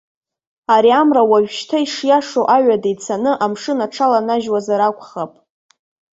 Ари амра уажәшьҭа ишиашоу аҩада ицаны амшын аҽаланажьуазар акәхап.